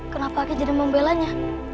kenapa aku jadi membelanya